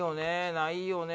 ないよね？